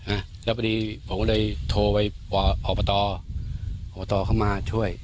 อ่ะแล้วพอดีผมก็เลยโทรไปบอกอบตอบตเข้ามาช่วย